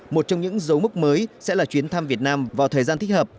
một trong những dấu mốc mới sẽ là chuyến thăm việt nam vào thời gian thích hợp